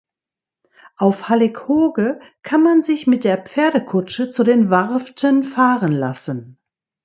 Auf Hallig Hooge kann man sich mit der Pferdekutsche zu den Warften fahren lassen.